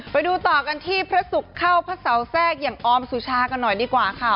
ไปดูต่อกันที่พระศุกร์เข้าพระเสาแทรกอย่างออมสุชากันหน่อยดีกว่าค่ะ